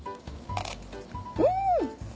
うん！